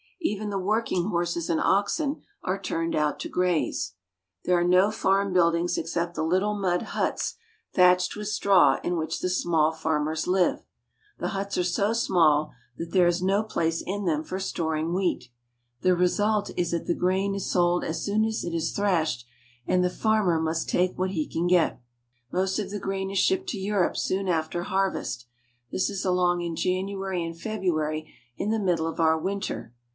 Even the work ing horses and oxen are turned out to graze. There are "There will be steam thrashers puffing away." •no farm buildings except the little mud huts thatched with straw in which the small farmers live. The huts are so small that there is no place in them for storing wheat. The result is that the grain is sold as soon as it is thrashed, and the farmer must take what he can get. Most of the grain is shipped to Europe soon after har vest. This is along in January and February, in the mid dle of our winter.